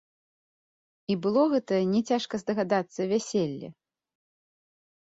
І было гэта, не цяжка здагадацца, вяселле.